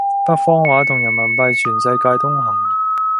北方話同人民幣全世界通行